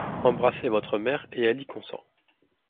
Embrassez votre mère, et elle y consent.